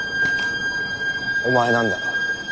お前なんだろ？